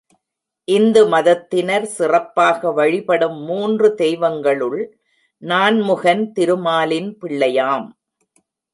இந்து மதத்தினர் சிறப்பாக வழிபடும் மூன்று தெய்வங்களுள் நான்முகன் திருமாலின் பிள்ளையாம்.